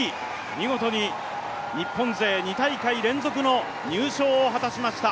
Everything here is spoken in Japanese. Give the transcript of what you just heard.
見事に日本勢２大会連続の入賞を果たしました。